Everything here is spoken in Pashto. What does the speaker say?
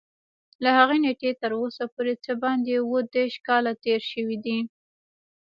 له هغې نېټې تر اوسه پورې څه باندې اووه دېرش کاله تېر شوي دي.